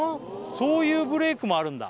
そういうブレイクもあるんだ